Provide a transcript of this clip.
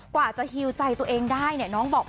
กว่าจะฮิวใจตัวเองได้เนี่ยน้องบอก